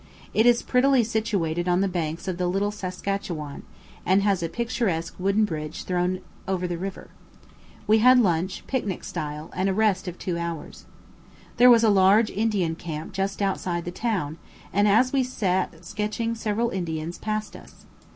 It is prettily situated on the banks of the Little Saskatchewan, and has a picturesque wooden bridge thrown over the river. We had lunch, picnic style, and a rest of two hours. There was a large Indian camp just outside the town, and as we sat sketching several Indians passed us.